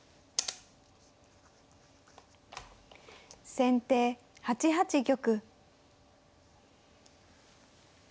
先手８八玉。